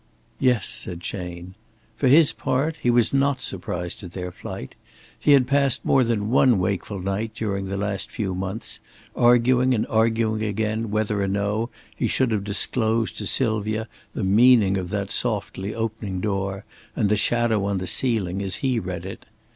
"Yes," said Chayne. For his part he was not surprised at their flight. He had passed more than one wakeful night during the last few months arguing and arguing again whether or no he should have disclosed to Sylvia the meaning of that softly opening door and the shadow on the ceiling as he read it.